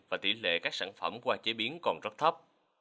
và tỷ lệ các sản phẩm qua chế biến còn rất thấp